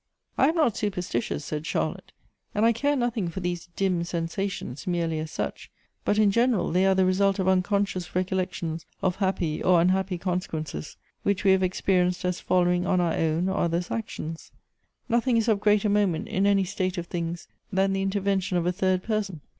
" I am not superstitious," said Charlotte ;" and I care nothing for these dim sensations, merely as such ; but in general they are the result of unconscious recollections of happy or unhappy consequences, which we have experi enced as following on our own or others' actions. Noth ing is of greater moment. In any state of things, than the intervention of a third person.